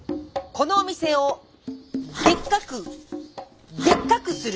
このお店をでっかくでっかくする！